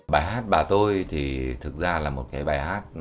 bài hát bà tôi thì thực ra là một cái bài hát